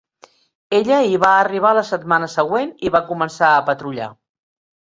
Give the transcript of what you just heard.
Ella hi va arribar la setmana següent i va començar a patrullar.